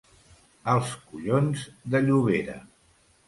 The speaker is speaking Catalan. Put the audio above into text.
Als collons de Llobera.